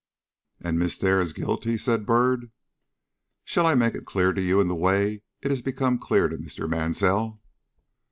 "And Miss Dare is guilty?" said Byrd. "Shall I make it clear to you in the way it has become clear to Mr. Mansell?"